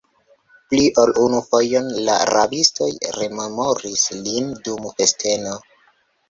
Pli ol unu fojon la rabistoj rememoris lin dum festeno!